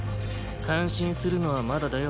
感心するのはまだだよ